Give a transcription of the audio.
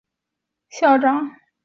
早期先后有范源濂被任命校长。